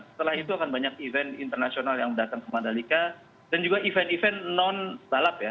setelah itu akan banyak event internasional yang datang ke mandalika dan juga event event non balap ya